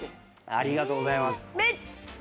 ありがとうございます。